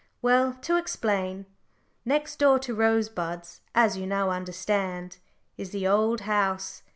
Well, to explain next door to Rosebuds, as you now understand, is the Old House.